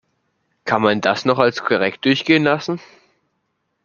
Kann man das noch als korrekt durchgehen lassen?